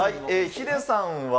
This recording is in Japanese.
ヒデさんは。